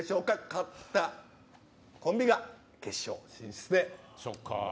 勝ったコンビが決勝進出です。